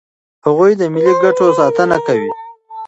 هغوی د ملي ګټو ساتنه کوي.